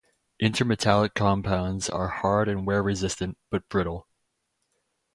Intermetallic compounds are hard and wear-resistant but brittle.